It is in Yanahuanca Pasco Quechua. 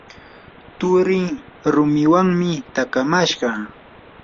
turii rumiwanmi takamashqa.